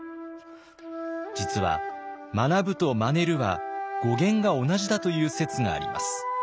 実は「学ぶ」と「まねる」は語源が同じだという説があります。